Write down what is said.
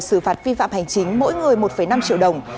xử phạt vi phạm hành chính mỗi người một năm triệu đồng